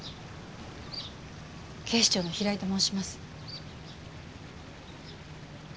警視庁の平井と申します。